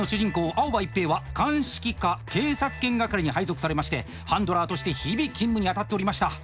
青葉一平は鑑識課警察犬係に配属されましてハンドラーとして日々勤務に当たっておりました。